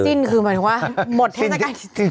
ตกใจสิ้นคือหมายถึงว่าหมดเทศกาลกิน